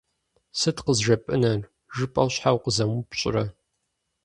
«Сыт къызжепӏэнур?» жыпӏэу, щхьэ укъызэмыупщӏрэ?